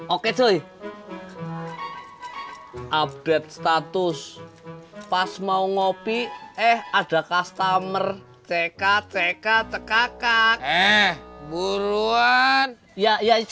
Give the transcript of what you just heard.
oke cuy update status pas mau ngopi eh ada customer ck ck ck eh buruan ya ya